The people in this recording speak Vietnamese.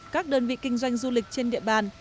các đơn vị kinh doanh du lịch trên địa bàn